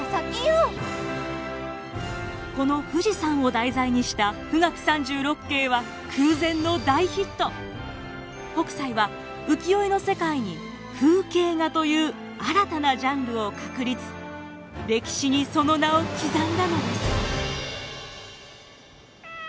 この富士山を題材にした北斎は浮世絵の世界に風景画という新たなジャンルを確立歴史にその名を刻んだのです。